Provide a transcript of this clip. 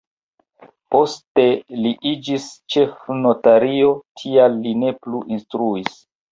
Poste li iĝis ĉefnotario, tial li ne plu instruis.